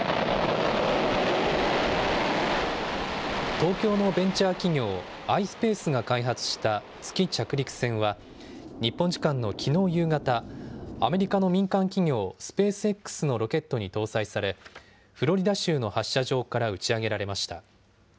東京のベンチャー企業、ｉｓｐａｃｅが開発した月着陸船は、日本時間のきのう夕方、アメリカの民間企業、スペースＸのロケットに搭載され、フロリダ州の発射場から打ち上げられました。